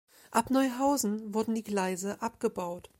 Ab Neuhausen wurden die Gleise abgebaut.